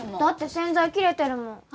だって洗剤切れてるもん。